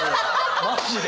マジで。